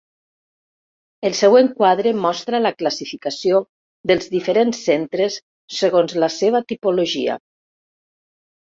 El següent quadre mostra la classificació dels diferents centres segons la seva tipologia.